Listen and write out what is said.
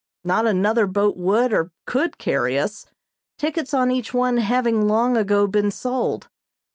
Not another boat would or could carry us, tickets on each one having long ago been sold.